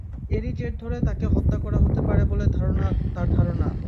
এরই জের ধরে তাঁকে হত্যা করা হতে পারে বলে তাঁর ধারণা।